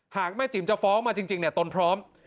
หากแม่จิ๋มจะฟ้องมาจริงตนพร้อม